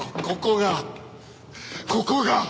ここがここが！